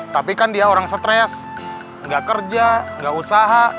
tapi kan dia orang stres gak kerja gak usaha